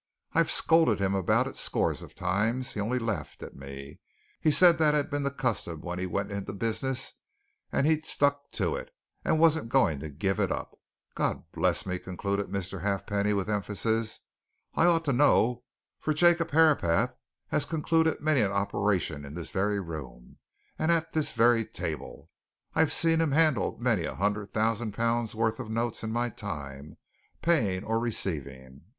I've scolded him about it scores of times; he only laughed at me; he said that had been the custom when he went into the business, and he'd stuck to it, and wasn't going to give it up. God bless me!" concluded Mr. Halfpenny, with emphasis. "I ought to know, for Jacob Herapath has concluded many an operation in this very room, and at this very table I've seen him handle many a hundred thousand pounds' worth of notes in my time, paying or receiving!